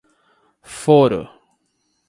foro